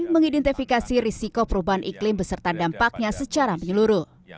mengidentifikasi risiko perubahan iklim beserta dampaknya secara menyeluruh